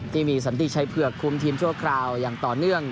ที่มีสถานีการ์ใช้เผื่อกคลุมทีมช่วงคราวอย่างต่อเนื่อง